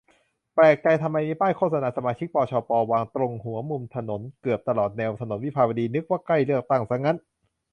แปลกใจทำไมมีป้ายโฆษณาสมาชิก ปชป วางตรงหัวมุมถนนเกือบตลอดแนวถนนวิภาวดี นึกว่าใกล้เลือกตั้งซะงั้น